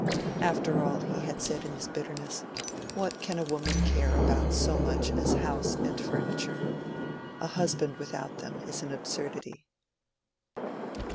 After all, he said in his bitterness, what can a woman care about so much as house and furniture? a husband without them is an absurdity.